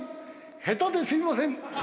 下手ですいません。